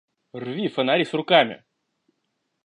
– Рви фонари с руками!